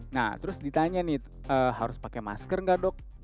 nah terus ditanya nih harus pakai masker nggak dok